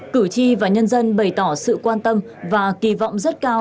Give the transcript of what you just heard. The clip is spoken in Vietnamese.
cử tri và nhân dân bày tỏ sự quan tâm và kỳ vọng rất cao